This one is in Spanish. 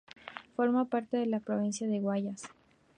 Forma parte de la provincia de Guayas.